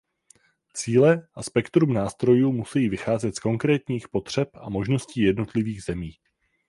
Cíle a spektrum nástrojů musejí vycházet z konkrétních potřeb a možností jednotlivých zemí.